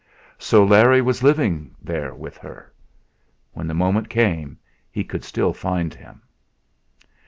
So Larry was living there with her! When the moment came he could still find him.